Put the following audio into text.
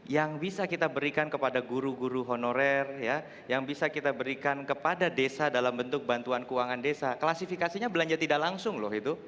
yang bisa kita berikan kepada guru guru honorer ya yang bisa kita berikan kepada desa dalam bentuk bantuan keuangan desa klasifikasinya belanja tidak langsung loh itu